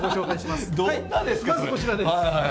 まずこちらです。